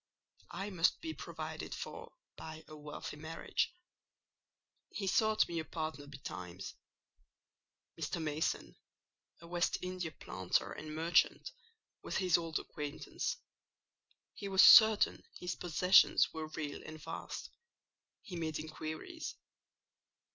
I must be provided for by a wealthy marriage. He sought me a partner betimes. Mr. Mason, a West India planter and merchant, was his old acquaintance. He was certain his possessions were real and vast: he made inquiries.